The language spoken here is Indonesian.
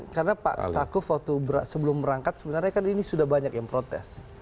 karena pak staquf waktu sebelum berangkat sebenarnya kan ini sudah banyak yang protes